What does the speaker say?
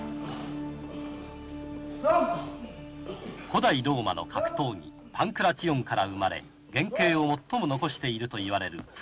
古代ローマの格闘技パンクラチオンから生まれ原形を最も残していると言われるプロレスリング。